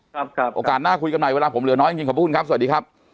ครับครับโอกาสน่าคุยกับหน่อยเวลาผมเหลือน้อยขอบพระคุณครับสวัสดีครับ